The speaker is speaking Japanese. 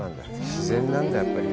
自然なんだ、やっぱり。